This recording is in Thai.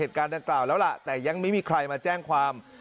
การดังกล่าวแล้วล่ะแต่ยังไม่มีใครมาแจ้งความ